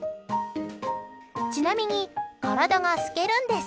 ちなみに体が透けるんです。